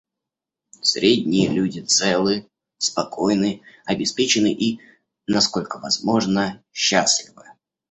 Средние люди целы, спокойны, обеспечены и, насколько возможно, счастливы.